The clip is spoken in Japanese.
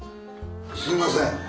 すいません。